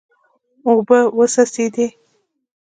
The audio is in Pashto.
اوبه وڅڅېدې.